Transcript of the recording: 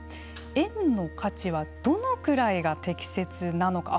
円の価値はどのぐらいが適切なのか。